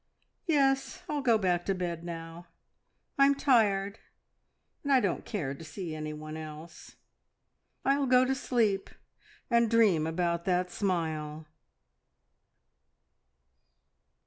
Yes, I'll go back to bed now. I'm tired, and I don't care to see anyone else. I'll go to sleep and dream about that smile!"